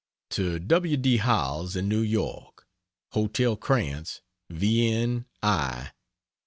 To W. D. Howells, in New York: HOTEL KRANTZ, WIEN I.